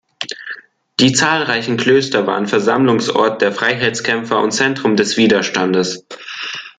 Die zahlreichen Klöster waren Versammlungsort der Freiheitskämpfer und Zentrum des Widerstandes.